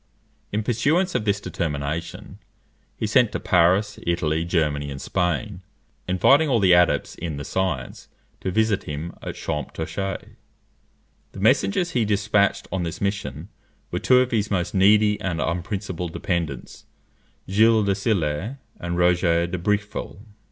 In pursuance of this determination, he sent to Paris, Italy, Germany, and Spain, inviting all the adepts in the science to visit him at Champtocé. The messengers he despatched on this mission were two of his most needy and unprincipled dependants, Gilles de Sillé and Roger de Bricqueville.